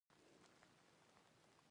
د ترسره شوو کړنو راپور جوړول اړین دي.